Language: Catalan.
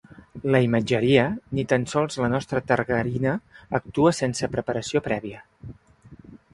La imatgeria, ni tan sols la targarina, actua sense preparació prèvia.